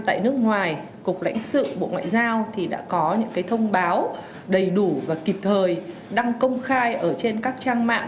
tại nước ngoài cục lãnh sự bộ ngoại giao thì đã có những thông báo đầy đủ và kịp thời đăng công khai ở trên các trang mạng